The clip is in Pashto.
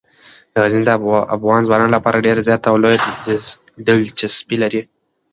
غزني د افغان ځوانانو لپاره ډیره زیاته او لویه دلچسپي لري.